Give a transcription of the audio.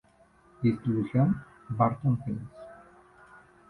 Distribución: Barton Films